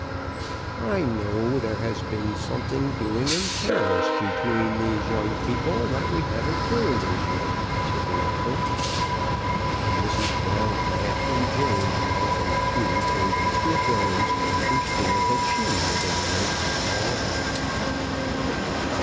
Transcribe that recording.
" I know that there has been something doing in Paris between these young people that we haven't heard as yet," said the uncle. Then Mrs. Brown laughed, and Jane, laughing too, 80 CHRISTMAS AT THOMPSON HALL. gave Mr. Jones to understand that she, at any rate, knew all about it.